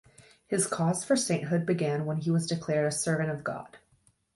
His cause for sainthood began when he was declared a Servant of God.